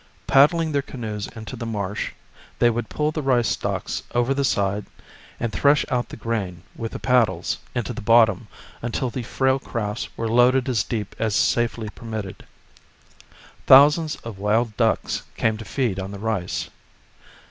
Paddling their canoes into the marsh, they would pull the rice stalks over the side and thresh out the grain with the paddles into the bottom until the frail crafts were loaded as deep as safety permitted. Thousands of wild ducks came to feed on the rice.